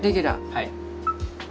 はい。